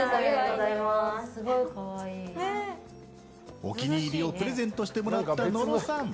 お気に入りをプレゼントしてもらった野呂さん。